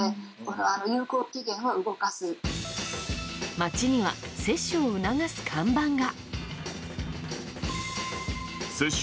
街には、接種を促す看板が。